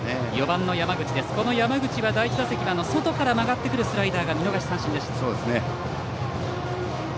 ４番、山口は第１打席は外から曲がってくるスライダーが見逃し三振でした。